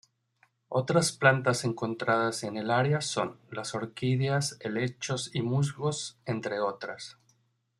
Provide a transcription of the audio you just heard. Otras plantas encontradas en el área son: las orquídeas, helechos y musgos, entre otras.